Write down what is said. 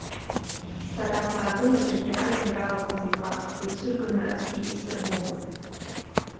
Сара саагылазаргьы ажәеинраалақәа зыҩуан, аха ицәырганы аӡәгьы исырбомызт.